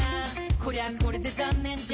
「こりゃこれで残念じゃん」